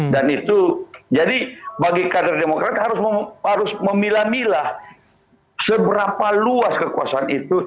dan itu jadi bagi kader demokrat harus memilah milah seberapa luas kekuasaan itu